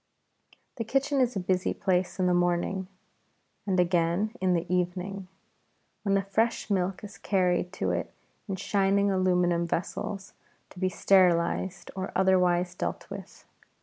The kitchen is a busy place in the morning, and again in the evening, when the fresh milk is carried to it in shining aluminium vessels to be sterilized or otherwise dealt with.